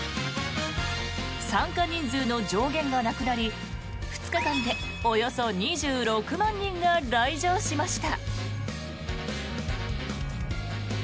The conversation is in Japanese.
参加人数の上限がなくなり２日間でおよそ２６万人が来場しました。